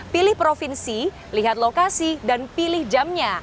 pilih provinsi lihat lokasi dan pilih jamnya